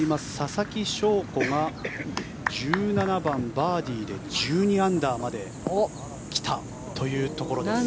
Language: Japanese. ささきしょうこが１７番、バーディーで１２アンダーまで来たというところです。